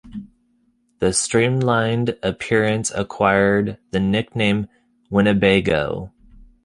The streamlined appearance acquired the nickname Winnebago.